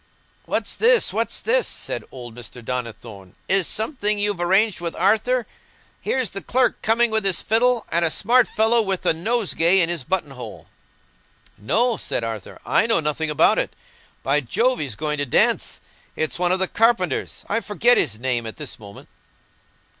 "What's this, what's this?" said old Mr. Donnithorne. "Is it something you've arranged, Arthur? Here's the clerk coming with his fiddle, and a smart fellow with a nosegay in his button hole." "No," said Arthur; "I know nothing about it. By Jove, he's going to dance! It's one of the carpenters—I forget his name at this moment."